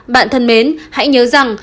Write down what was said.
bạn thân mến hãy nhớ rằng